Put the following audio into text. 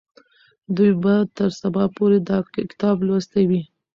دوی به تر سبا پورې دا کتاب لوستی وي.